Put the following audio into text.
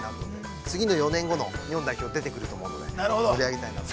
次の４年後の日本代表出てくると思うので盛り上げたいなと思います。